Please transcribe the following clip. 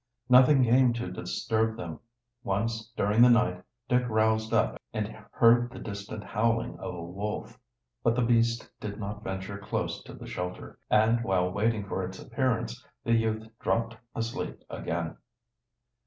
Nothing came to disturb them. Once during the night Dick roused up and heard the distant howling of a wolf. But the beast did not venture close to the shelter, and while waiting for its appearance the youth dropped asleep again.